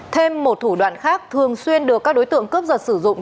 thêm một thủ đoạn khác thường xuyên được các đối tượng cướp giật sử dụng